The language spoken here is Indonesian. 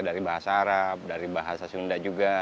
dari bahasa arab dari bahasa sunda juga